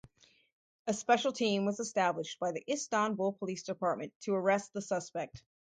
A special team was established by the Istanbul Police Department to arrest the suspect.